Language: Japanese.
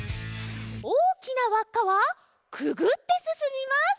おおきなわっかはくぐってすすみます！